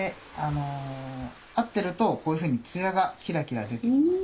合ってるとこういうふうに艶がキラキラ出てきます。